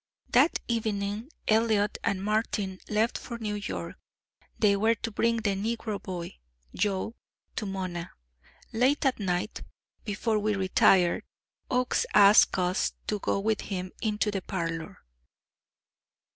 That evening Elliott and Martin left for New York. They were to bring the negro boy, Joe, to Mona. Late at night, before we retired, Oakes asked us to go with him into the parlor.